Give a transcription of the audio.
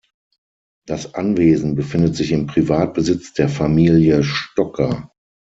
Das Anwesen befindet sich im Privatbesitz der Familie Stocker.